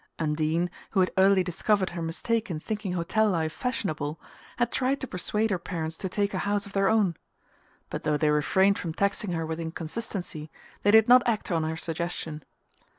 Undine, who had early discovered her mistake in thinking hotel life fashionable, had tried to persuade her parents to take a house of their own; but though they refrained from taxing her with inconsistency they did not act on her suggestion.